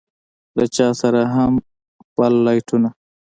له چا سره هم بل لاټينونه.